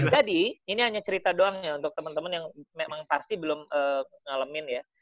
jadi ini hanya cerita doang ya untuk temen temen yang memang pasti belum ngalamin ya